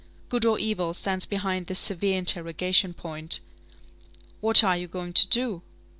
Good or evil stands behind this severe interrogation point. What are you going to do?